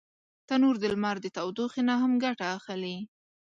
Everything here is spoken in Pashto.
تنور د لمر د تودوخي نه هم ګټه اخلي